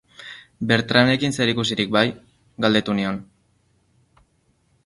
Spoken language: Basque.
Bertranekin zerikusirik bai?, galdetu nion.